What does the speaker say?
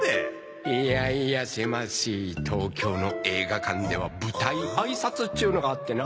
いやいやせまし東京の映画館では舞台あいさつっちゅうのがあってな